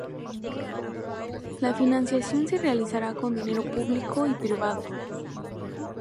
La financiación se realizará con dinero público y privado.